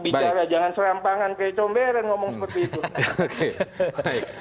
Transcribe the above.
bicara jangan serampangan kayak comberan ngomong seperti itu